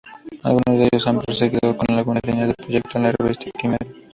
Algunos de ellos han proseguido con algunas líneas del proyecto en la revista "Quimera".